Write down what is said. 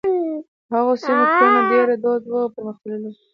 په هغو سیمو کې کرنه ډېره دود وه او پرمختللې وه.